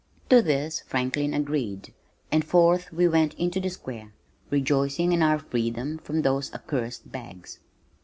To this Franklin agreed, and forth we went into the Square, rejoicing in our freedom from those accursed bags.